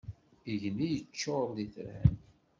Igenni yeččur d itran.